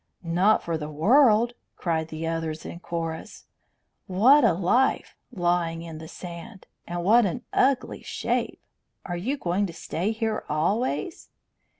"Not for the world!" cried the others in chorus. "What a life, lying in the sand! And what an ugly shape! Are you going to stay here always?"